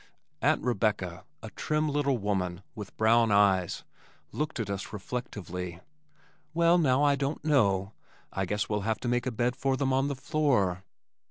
Aunt Rebecca, a trim little woman with brown eyes, looked at us reflectively, "Well, now, I don't know. I guess we'll have to make a bed for them on the floor."